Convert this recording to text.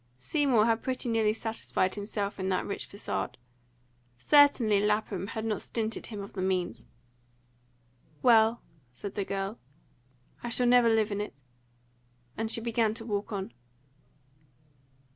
Seymour had pretty nearly satisfied himself in that rich facade; certainly Lapham had not stinted him of the means. "Well," said the girl, "I shall never live in it," and she began to walk on.